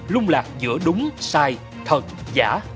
lung lạc giữa đúng sai thật giả